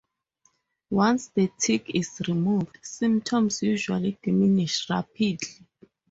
Once the tick is removed, symptoms usually diminish rapidly.